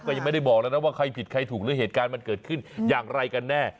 ก็ยังไม่ได้บอกแล้วนะว่าใครผิดใครถูกหรือเหตุการณ์มันเกิดขึ้นอย่างไรกันแน่